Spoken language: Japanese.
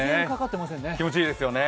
気持ちいいですよね。